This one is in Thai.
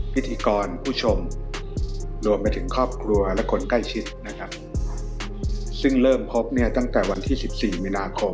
พิธีกรผู้ชมรวมไปถึงครอบครัวและคนใกล้ชิดซึ่งเริ่มพบตั้งแต่วันที่๑๔มินาคม